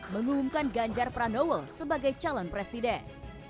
mengumumkan ganjar pranowo sebagai calon presiden